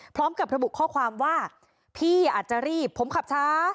พร้อมกับระบุข้อความว่าพี่อาจจะรีบผมขับช้า